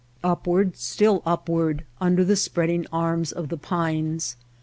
Upward, still upward, under the spreading arms of the pines